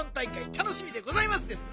たのしみでございますですな！